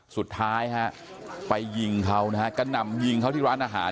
สุดท้ายฮะไปยิงเขานะฮะกระหน่ำยิงเขาที่ร้านอาหาร